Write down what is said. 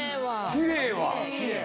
きれいわ。